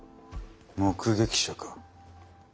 目撃者か。